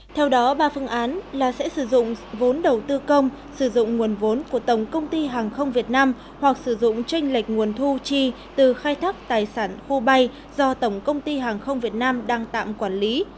theo đó ba phương án là sẽ sử dụng vốn đầu tư công sử dụng nguồn vốn của tổng công ty hàng không việt nam hoặc sử dụng tranh lệch nguồn thu chi từ khai thác tài sản khu bay do tổng công ty hàng không việt nam đang tạm quản lý